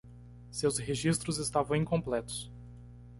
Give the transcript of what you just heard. Seus registros estavam incompletos.